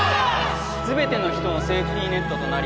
全ての人のセーフティーネットとなり